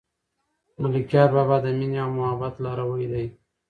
ملکیار بابا د مینې او محبت لاروی دی.